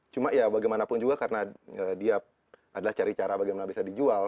cuma ya bagaimanapun juga karena dia adalah cari cara bagaimana bisa dijual